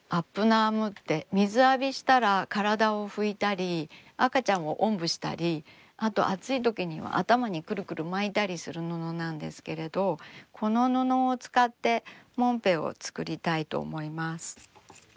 ナームって水浴びしたら体を拭いたり赤ちゃんをおんぶしたりあと暑いときには頭にくるくる巻いたりする布なんですけれどこの布を使ってもんぺを作りたいと思います。